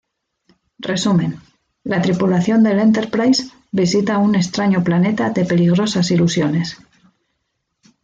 Resumen: La tripulación del "Enterprise" visita un extraño planeta de peligrosas ilusiones.